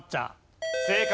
正解。